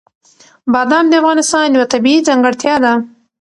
بادام د افغانستان یوه طبیعي ځانګړتیا ده.